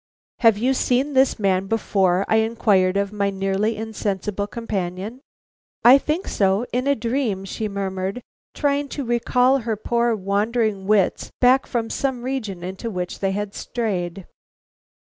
"Have you seen this man before?" I inquired of my nearly insensible companion. "I think so in a dream," she murmured, trying to recall her poor wandering wits back from some region into which they had strayed.